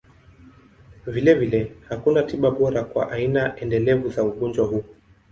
Vilevile, hakuna tiba bora kwa aina endelevu za ugonjwa huu.